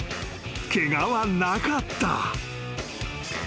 ［ケガはなかった］